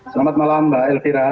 selamat malam mbak elvira